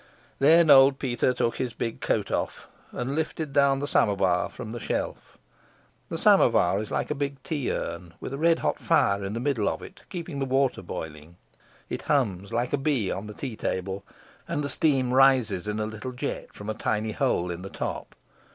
Then old Peter took his big coat off and lifted down the samovar from the shelf. The samovar is like a big tea urn, with a red hot fire in the middle of it keeping the water boiling. It hums like a bee on the tea table, and the steam rises in a little jet from a tiny hole in the top.